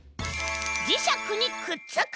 じしゃくにくっつく！